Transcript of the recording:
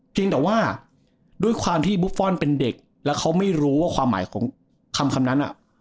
แต่ว่าด้วยความที่บุฟฟอลเป็นเด็กแล้วเขาไม่รู้ว่าความหมายของคำนั้น